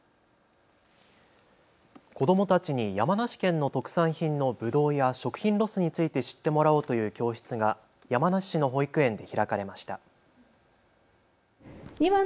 子どもたちに山梨県の特産品のぶどうや食品ロスについて知ってもらおうという教室が山梨市の保育園で開かれました。